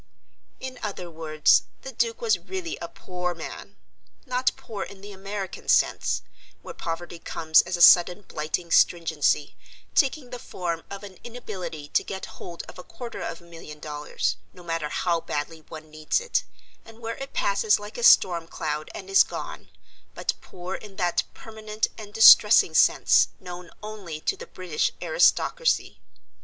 In other words the Duke was really a poor man not poor in the American sense, where poverty comes as a sudden blighting stringency, taking the form of an inability to get hold of a quarter of a million dollars, no matter how badly one needs it, and where it passes like a storm cloud and is gone, but poor in that permanent and distressing sense known only to the British aristocracy.